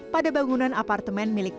pada bangunan apartemen milik